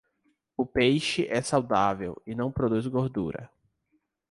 O peixe é saudável e não produz gordura.